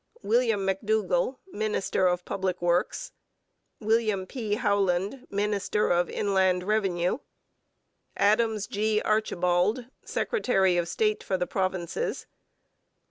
WILLIAM McDOUGALL, Minister of Public Works. WILLIAM P. HOWLAND, Minister of Inland Revenue. ADAMS G. ARCHIBALD, Secretary of State for the Provinces.